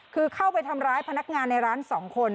คือเข้าไปทำร้ายพนักงานในร้าน๒คน